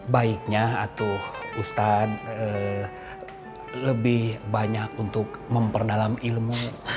baiknya atau ustadz lebih banyak untuk memperdalam ilmu